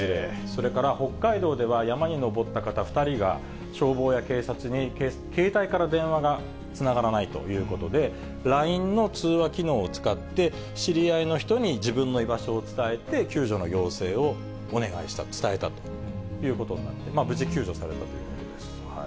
それから北海道では、山に登った方２人が、消防や警察に携帯から電話がつながらないということで、ＬＩＮＥの通話機能を使って、知り合いの人に自分の居場所を伝えて、救助の要請をお願いしたと、伝えたということになって、無事救助されたということです。